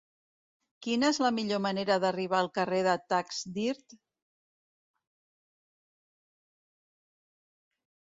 Quina és la millor manera d'arribar al carrer de Taxdirt?